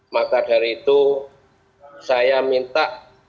maka dari itu saya minta